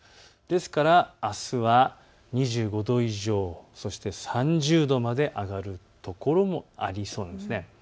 ですからあすは２５度以上、そして３０度まで上がる所もありそうなんです。